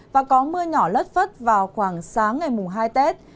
và có mưa nhỏ lất phất vào khoảng sáng ngày mùng hai tết